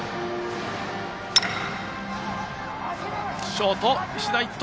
ショート、石田一斗。